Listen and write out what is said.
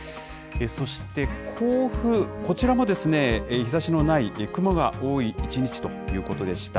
そして、甲府、こちらも日ざしのない雲が多い一日ということでした。